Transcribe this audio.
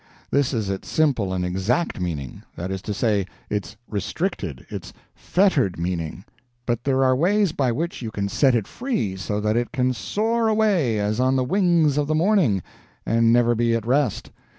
This is its simple and EXACT meaning that is to say, its restricted, its fettered meaning; but there are ways by which you can set it free, so that it can soar away, as on the wings of the morning, and never be at rest.